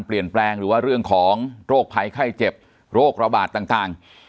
หรือว่าเรื่องของโรคภัยไข้เจ็บโรคระบาดต่าง